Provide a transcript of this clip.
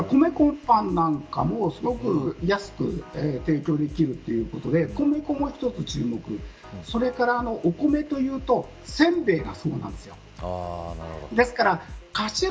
ですから米粉パンなんかもすごく安く提供できるということで米粉も、もう一つ注目それから、お米というとせんべいがそうなんです。